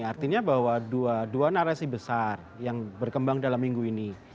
artinya bahwa dua narasi besar yang berkembang dalam minggu ini